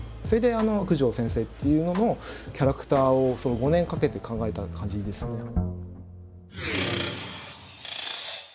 それで「九条先生」っていうののキャラクターを５年かけて考えた感じですね。